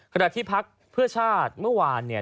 ขณะที่พักเพื่อชาติเมื่อวานเนี่ย